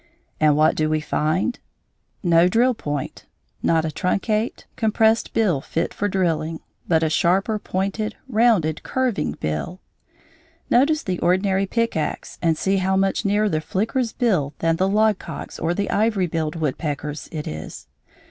And what do we find? No drill point not a truncate, compressed bill fit for drilling, but a sharper, pointed, rounded, curving bill. Notice the ordinary pick axe and see how much nearer the flicker's bill than the logcock's or the ivory billed woodpecker's it is.